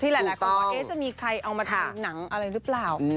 หลายคนว่าจะมีใครเอามาทำหนังอะไรหรือเปล่า